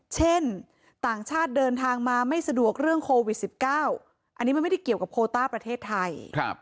เช่นต่างชาติเดินทางมาไม่สะดวกเรื่องโควิด๑๙อันนี้มันไม่ได้เกี่ยวกับโคต้าประเทศไทย